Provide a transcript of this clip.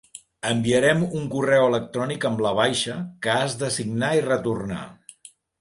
Enviarem un correu electrònic amb la baixa, que has de signar i retornar.